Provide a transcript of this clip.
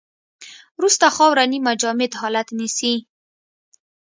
وروسته خاوره نیمه جامد حالت نیسي